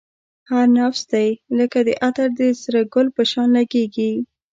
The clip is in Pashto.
هر نفس دی لکه عطر د سره گل په شان لگېږی